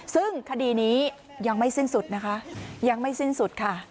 ซึ่งคดีนี้ยังไม่สิ้นสุดนะคะยังไม่สิ้นสุดค่ะ